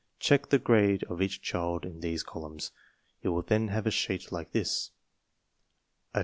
Check the grade of each child in these columns. You will then have a sheet like this: NAME ARITH.